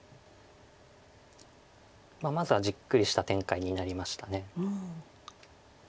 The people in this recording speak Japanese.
まずはじっくりした展開になりました。